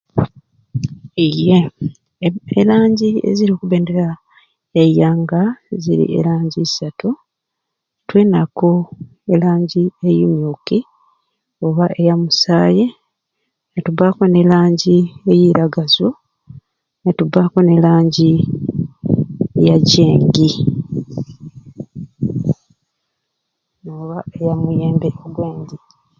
Iiye eranji eziri okubendera yaiyanga ziri eranji isaatu tulinaku eranji eyimyuki oba eya musai, nitubaku ne ranji ejiragazu netubaku ne ranji yakyengi oba eyamuyembe ogwengii.